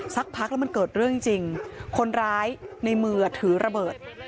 สักพักแล้วมันเกิดเรื่องจริงคนร้ายในมือถือระเบิด